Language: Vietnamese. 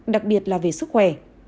đặc biệt là về sức khỏe